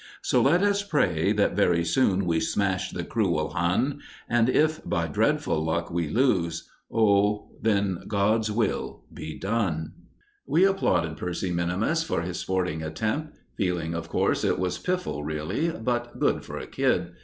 So let us pray that very soon we smash the cruel Hun, And if, by dreadful luck, we lose oh, then God's will be done! We applauded Percy minimus for his sporting attempt, feeling of course, it was piffle really, but good for a kid.